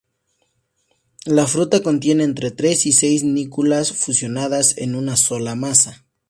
La fruta contiene entre tres y seis núculas fusionadas en una sola masa.